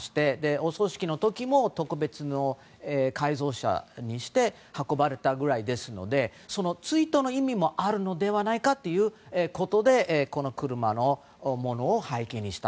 お葬式の時も特別の改造車にして運ばれたぐらいですのでその追悼の意味もあるのではないかということでこの車を背景にした。